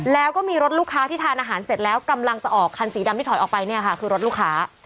แล้วก็มีรถลูกค้าที่ทานอาหารเสร็จแล้วกำลังจะออกคันสีดำที่ถอยออกไปเนี่ยค่ะคือรถลูกค้า